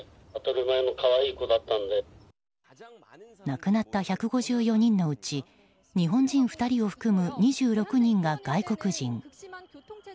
亡くなった１５４人のうち日本人２人を含む２６人が外国人。